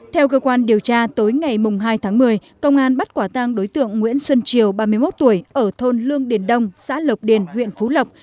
theo cơ quan điều tra tối ngày hai tháng một mươi công an bắt quả tang đối tượng nguyễn xuân triều ba mươi một tuổi ở thôn lương điền đông xã lộc điền huyện phú lộc